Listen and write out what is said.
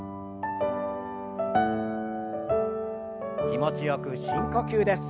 気持ちよく深呼吸です。